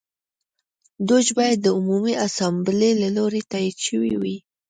دوج باید د عمومي اسامبلې له لوري تایید شوی وای.